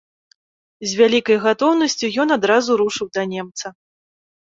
З вялікай гатоўнасцю ён адразу рушыў да немца.